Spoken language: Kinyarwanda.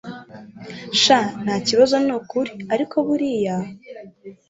shn ntakibazo nukuri ariko buriya